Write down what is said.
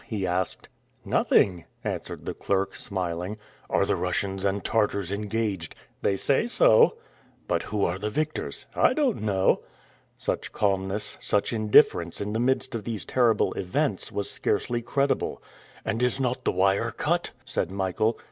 he asked. "Nothing," answered the clerk, smiling. "Are the Russians and Tartars engaged?" "They say so." "But who are the victors?" "I don't know." Such calmness, such indifference, in the midst of these terrible events, was scarcely credible. "And is not the wire cut?" said Michael.